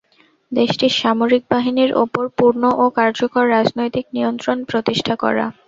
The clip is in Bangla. দেশটির সামরিক বাহিনীর ওপর পূর্ণ ও কার্যকর রাজনৈতিক নিয়ন্ত্রণ প্রতিষ্ঠা করা।